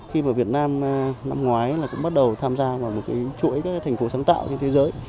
khi mà việt nam năm ngoái là cũng bắt đầu tham gia vào một chuỗi các thành phố sáng tạo trên thế giới